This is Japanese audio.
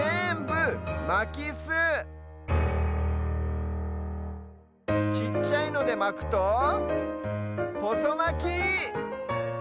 まきすちっちゃいのでまくとほそまき！